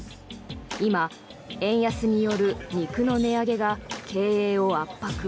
今、円安による肉の値上げが経営を圧迫。